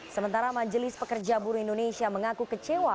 sementara majelis pekerja buruh indonesia mengaku kecewa